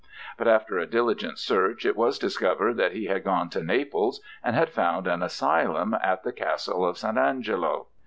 But after a diligent search, it was discovered that he had gone to Naples and had found an asylum at the Castle of St. Angelo.